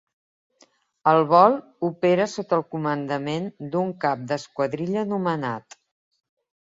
El vol opera sota el comandament d'un cap d'esquadrilla nomenat.